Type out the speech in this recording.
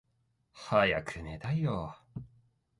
早く寝たいよーー